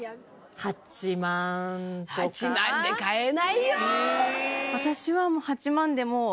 ８万で買えないよ。